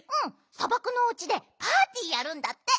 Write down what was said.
さばくのおうちでパーティーやるんだって。